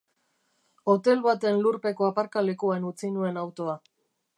Hotel baten lurpeko aparkalekuan utzi nuen autoa.